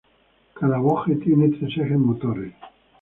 Cada boje tiene tres ejes motores.